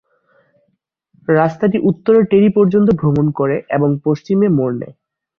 রাস্তাটি উত্তরে টেরি পর্যন্ত ভ্রমণ করে এবং পশ্চিমে মোড় নেয়।